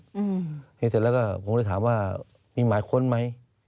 เห็นเสร็จแล้วก็ผมเลยถามว่ามีหมายค้นไหม